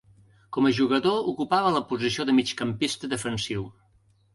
Com a jugador ocupava la posició de migcampista defensiu.